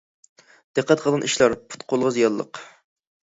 دىققەت قىلىدىغان ئىشلار : پۇت-قولغا زىيانلىق.